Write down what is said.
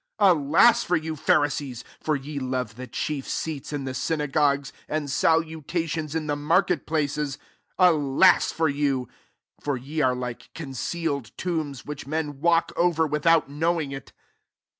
43 Alas, for you, Pharisees ! for ye love the chief seats in the synagogues, and sa lutations in the market places. 44 Alas for you ! for ye are like concealed tombs, which tatm walk over without knowing' t